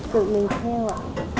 tự mình theo ạ